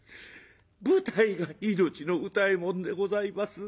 舞台が命の歌右衛門でございます。